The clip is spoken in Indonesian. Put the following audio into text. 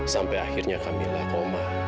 sampai akhirnya kamilah koma